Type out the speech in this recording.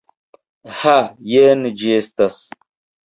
Ha, jen ĝi estas.